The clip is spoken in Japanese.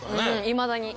いまだに。